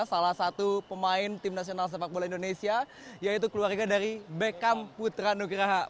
salah satu pemain tim nasional sepak bola indonesia yaitu keluarga dari beckham putra nugraha